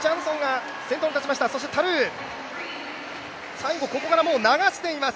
最後、ここから流しています